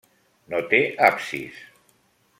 No té absis.